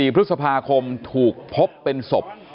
๔พฤษภาคมถูกพบเป็นศพ